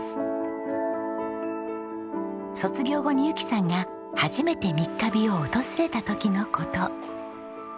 卒業後にゆきさんが初めて三ヶ日を訪れた時の事。